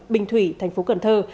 bình thủy thành phố cần thơ